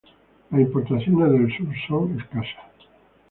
Las importaciones del sur son escasas.